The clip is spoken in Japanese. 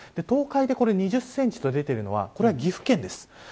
東海で２０センチと出ているのは岐阜県です。